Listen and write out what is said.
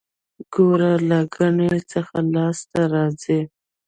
ګوړه له ګني څخه لاسته راځي